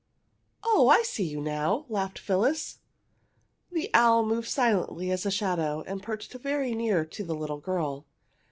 "Oh, I see you now!" laughed Phyllis. The owl moved silently as a shadow and perched very near to the little girl.